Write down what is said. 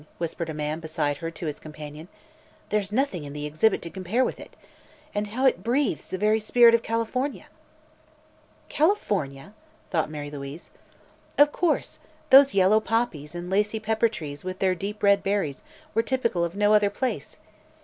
whispered a man beside her to his companion. "There's nothing in the exhibit to compare with it. And how it breathes the very spirit of California!" "California?" thought Mary Louise. Of course; those yellow poppies and lacy pepper trees with their deep red berries were typical of no other place.